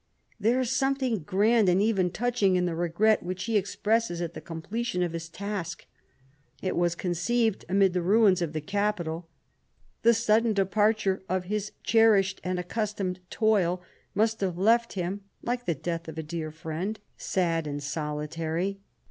There is something grand and even touching in the regret which he expresses at the completion of his task. It was con ceived amid the ruins of the Capitol. The sudden departure of his cherished and accustomed toil must have left him, like the death of a dear friend, sad and solitary.